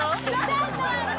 ちょっと待って！」